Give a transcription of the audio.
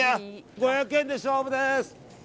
５００円で勝負です！